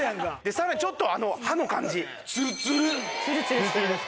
さらにちょっと歯の感じ。